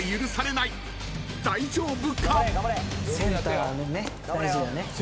［大丈夫か？］